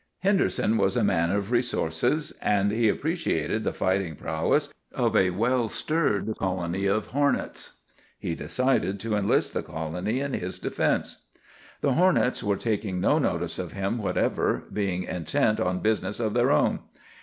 "Henderson was a man of resources; and he appreciated the fighting prowess of a well stirred colony of hornets. He decided to enlist the colony in his defence. "The hornets were taking no notice of him whatever, being intent on business of their own.